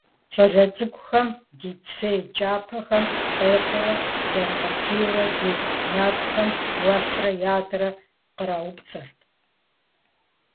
ЩӀалэ цӀыкӀухэм, ди цей кӀапэхэм къекъуурэ, зэрыгъэкӀийуэ ди нэкӀухэм уэсрэ ятӀэрэ къраупцӀэрт.